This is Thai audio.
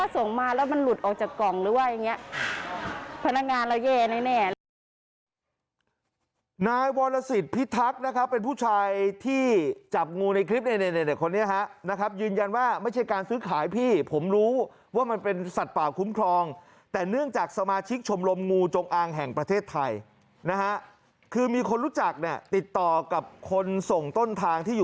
แต่ถ้าส่งมาแล้วมันหลุดออกจากกล่องหรือว่าอย่างนี้